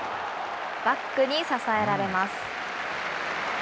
バックに支えられます。